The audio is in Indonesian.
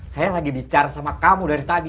saya lagi bicara sama kamu dari tadi